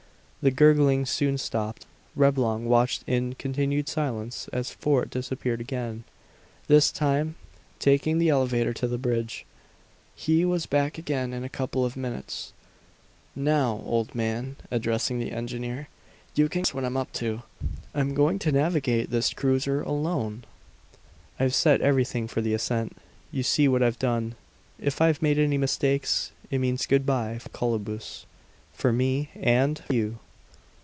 The gurgling soon stopped. Reblong watched in continued silence as Fort disappeared again, this time taking the elevator to the bridge. He was back again in a couple of minutes. "Now, old man," addressing the engineer, "you can guess what I'm up to. I'm going to navigate this cruiser alone!" "I've set everything for the ascent. You see what I've done; if I've made any mistakes, it means good by for the Cobulus, for me, and for you!